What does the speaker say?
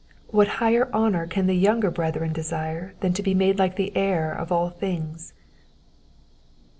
What higher honour can the younger brethren desire than to be made like the Heir of all things